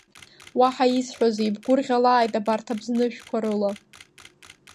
Уаҳа исҳәозеи, бгәырӷьааит абарҭ абзныжәқәа рыла!